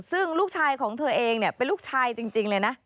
ซึ่งลูกชายของเธอเองเป็นลูกชายจริงเลยนะ